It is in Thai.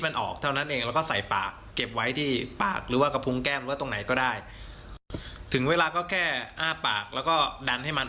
ยิ่งตัวเองเป็นพระสงค์ด้วยเนี่ย